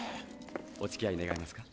お付き合い願えますか？